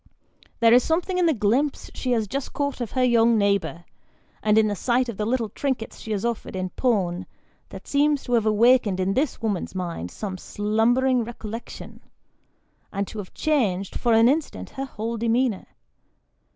There is something in the glimpse she has just caught of her young neighbour, and in the sight of the little trinkets she has offered in pawn, that seems to have awakened in this woman's mind some slumbering recollection, and to have changed, for an instant, her whole demeanour.